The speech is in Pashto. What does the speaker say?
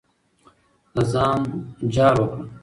د ځان جار وکړه.